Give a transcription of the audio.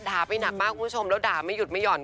ไปหนักมากคุณผู้ชมแล้วด่าไม่หยุดไม่ห่อน